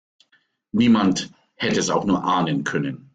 Niemand hätte es auch nur ahnen können.